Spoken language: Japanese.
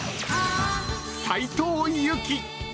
斉藤由貴。